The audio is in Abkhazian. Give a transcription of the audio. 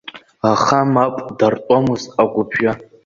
Аха, мап, дартәомызт агәыԥжәа.